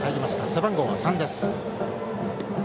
背番号は３です。